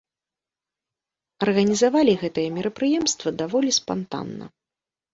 Арганізавалі гэтае мерапрыемства даволі спантанна.